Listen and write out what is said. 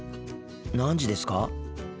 何時ですか？